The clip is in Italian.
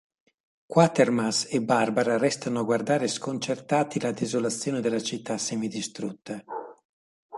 Quatermass e Barbara restano a guardare sconcertati la desolazione della città semidistrutta.